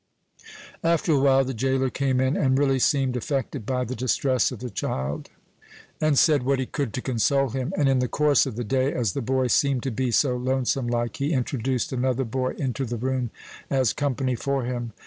After a while the jailer came in, and really seemed affected by the distress of the child, and said what he could to console him; and in the course of the day, as the boy "seemed to be so lonesome like," he introduced another boy into the room as company for him.